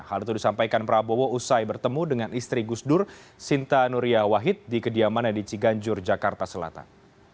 hal itu disampaikan prabowo usai bertemu dengan istri gusdur sinta nuria wahid di kediamannya di ciganjur jakarta selatan